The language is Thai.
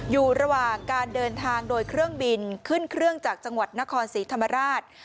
อยู่ระหว่างการเดินทางโดยเครื่องบินขึ้นเครื่องจากจังหวัดนครศรีธรรมราช